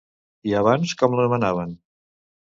I abans com l'anomenaven?